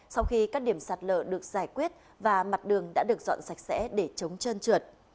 sau khi các điểm sạt lở được giải quyết và mặt đường đã được dọn sạch sẽ để chống chơn trượt